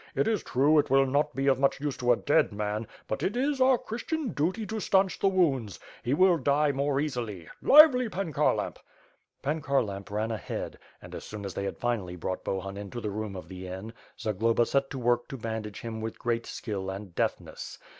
It is true it will not be of much use to a dead man, but it is our Christian duty to stanch the wounds; he will die more easily. Lively! Pan Kharlamp." Pan Kharlamp ran ahead, and, as soon as they had finally brought Bohun into the room of the inn, Zagloba set to work to bandage him with great skill and deftness.